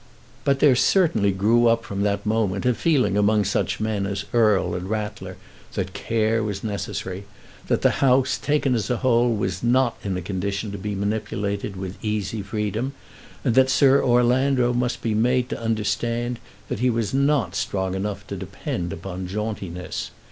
But there certainly grew up from that moment a feeling among such men as Erle and Rattler that care was necessary, that the House, taken as a whole, was not in a condition to be manipulated with easy freedom, and that Sir Orlando must be made to understand that he was not strong enough to depend upon jauntiness.